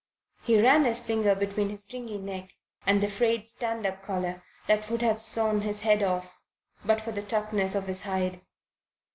He ran his finger between his stringy neck and the frayed stand up collar that would have sawn his head off but for the toughness of his hide.